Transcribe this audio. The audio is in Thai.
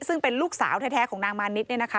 ซึ่งเป็นลูกสาวแท้ของนางมานิด